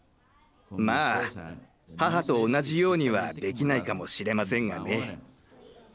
まあ母と同じようにはできないかもしれませんがね。